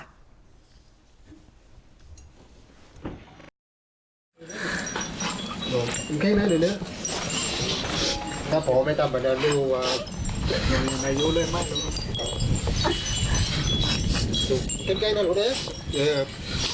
ถ้าพ่อไม่ทำแบบนั้นเร็วอ่าอายุเรื่อยมาก